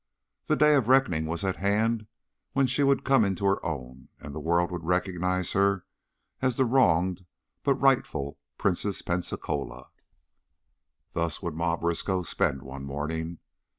The day of reckoning was at hand when she would come into her own and the world would recognize her as the wronged but rightful Princess Pensacola. Thus would Ma Briskow spend one morning.